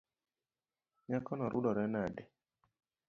Nyakono rudore nade.